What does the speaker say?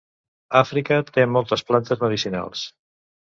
Àfrica té moltes plantes medicinals.